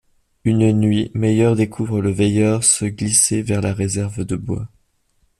Une nuit, Meyer découvre le veilleur se glisser vers la réserve de bois…